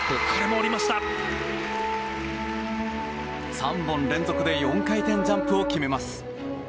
３本連続で４回転ジャンプを決めます。